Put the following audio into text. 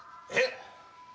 えっ！？